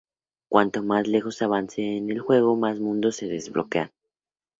Cuanto más lejos se avance en el juego, más mundos se desbloquean.